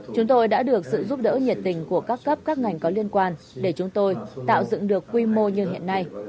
chúng tôi đã được sự giúp đỡ nhiệt tình của các cấp các ngành có liên quan để chúng tôi tạo dựng được quy mô như hiện nay